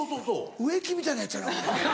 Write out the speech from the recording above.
植木みたいなヤツやな。